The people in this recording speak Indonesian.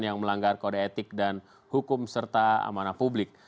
yang melanggar kode etik dan hukum serta amanah publik